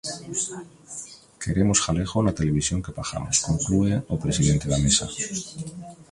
"Queremos galego na televisión que pagamos", conclúe o presidente da Mesa.